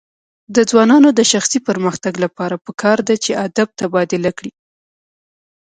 د ځوانانو د شخصي پرمختګ لپاره پکار ده چې ادب تبادله کړي.